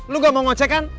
lu gak mau ngocek kan